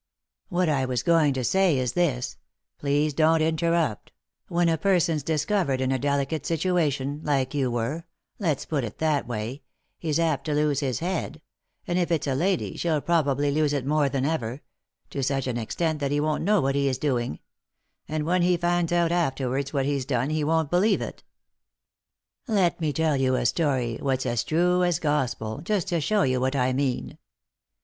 What I was going to say is this — please don't interrupt— when a person's discovered in a deli cate situation, like you were — let's put it that way — he's apt to lose his head — and if it's a lady she'll probably lose it more than ever — to such an extent that he won't know what he is doing ; and when he finds out afterwards what he's done he won't believe it. Let me tell you a story, what's as true as gospel, just to show you what I mean.